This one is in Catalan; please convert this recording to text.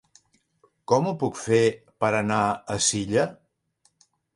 Com ho puc fer per anar a Silla?